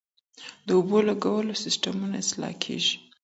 د اوبو لګولو سیستمونه اصلاح کېږي.